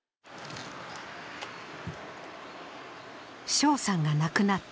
翔さんが亡くなった